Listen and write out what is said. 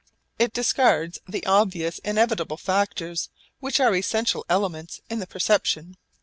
It discards the obvious inevitable factors which are essential elements in the perception.